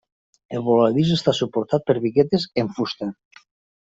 El voladís està suportat per biguetes en fusta.